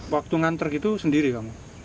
waktu nganter gitu sendiri kamu